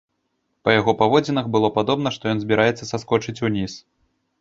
Па яго паводзінах было падобна, што ён збіраецца саскочыць уніз.